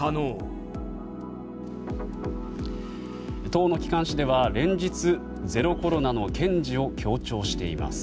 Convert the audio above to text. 党の機関紙では連日ゼロコロナの堅持を強調しています。